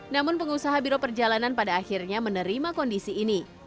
namun pengusaha biro perjalanan pada akhirnya menerima kondisi ini